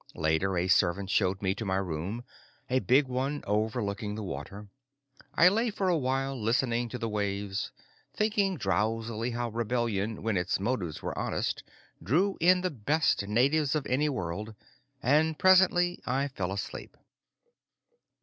Later a servant showed me to my room, a big one overlooking the water. I lay for a while listening to the waves, thinking drowsily how rebellion, when its motives were honest, drew in the best natives of any world, and presently I fell asleep.